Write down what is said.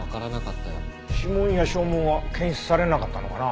指紋や掌紋は検出されなかったのかな？